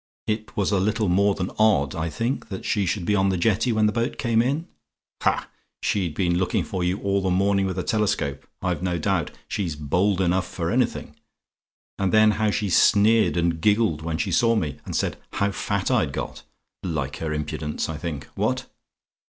It was a little more than odd, I think, that she should be on the jetty when the boat came in. Ha! she'd been looking for you all the morning with a telescope, I've no doubt she's bold enough for anything. And then how she sneered and giggled when she saw me, and said 'how fat I'd got:' like her impudence, I think. What?